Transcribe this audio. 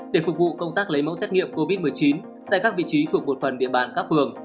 để phục vụ công tác lấy mẫu xét nghiệm covid một mươi chín tại các vị trí thuộc một phần địa bàn các phường